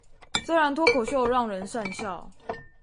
雖然脫口秀讓人訕笑